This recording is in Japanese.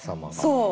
そう。